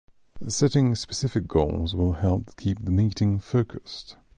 Setting specific goals will help keep the meeting focused.